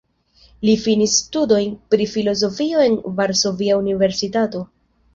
Li finis studojn pri filozofio en Varsovia Universitato.